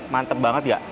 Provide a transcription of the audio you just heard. mantep banget gak